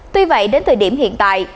tuy vậy đến thời điểm hiện tại